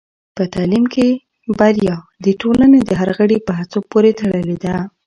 په تعلیم کې بریا د ټولنې د هر غړي په هڅو پورې تړلې ده.